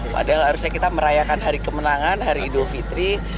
padahal harusnya kita merayakan hari kemenangan hari idul fitri